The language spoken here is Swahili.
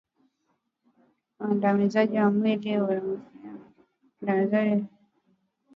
Waandamanaji wawili wameuawa kwa kupigwa risasi nchini Sudan.